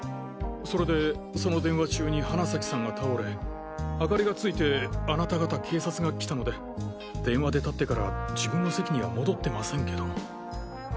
それでその電話中に花崎さんが倒れ明かりがついてあなた方警察が来たので電話で立ってから自分の席には戻ってませんけど。